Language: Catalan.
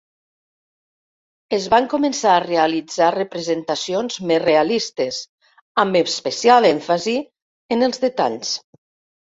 Es van començar a realitzar representacions més realistes, amb especial èmfasi en els detalls.